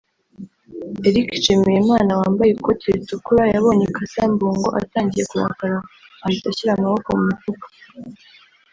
Eric Nshimiyimana (Wambaye ikoti ritukura) yabonye Cassa Mbungo atangiye kurakara ahita ashyira amaboko mu mifuka